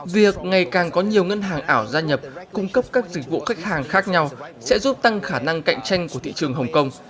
việc ngày càng có nhiều ngân hàng ảo gia nhập cung cấp các dịch vụ khách hàng khác nhau sẽ giúp tăng khả năng cạnh tranh của thị trường hồng kông